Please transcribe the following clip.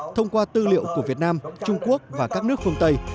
thông qua tư liệu của việt nam trung quốc và các nước phương tây